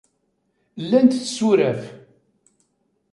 Llant tsuraf.